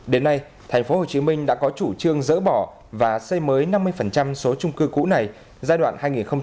đến nay tp hcm đã có chủ trương dỡ bỏ và xây mới năm mươi số trung cư cũ này giai đoạn hai nghìn một mươi sáu hai nghìn hai mươi